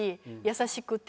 優しくて。